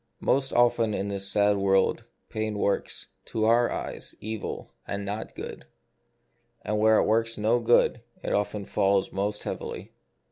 Most often in this sad world pain works, to our eyes, evil, and not good ; and where it works no good, it often falls most heavily.